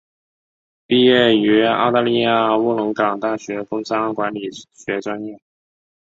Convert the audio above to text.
毕业于澳大利亚卧龙岗大学工商管理学专业。